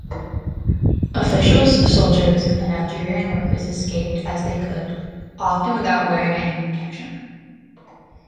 Officials, soldiers and Algerian workers escaped as they could, often without wearing any protection.